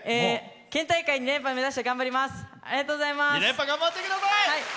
県大会２連覇目指して頑張ります。